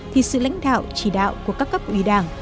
thì sự lãnh đạo chỉ đạo của các cấp ủy đảng